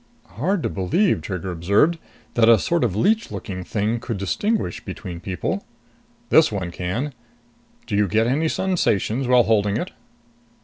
"Hard to believe," Trigger observed, "that a sort of leech looking thing could distinguish between people." "This one can. Do you get any sensations while holding it?"